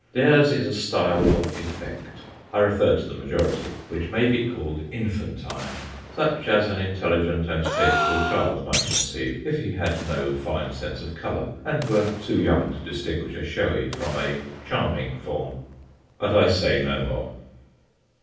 Theirs is a style of effect I refer to the majority which may be called infantine; such as an intelligent and tasteful child might conceive if he had no fine sense of colour, and were too young to distinguish a showy from a charming form. But I say no more.